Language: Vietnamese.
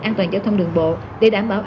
an toàn giao thông đường bộ để đảm bảo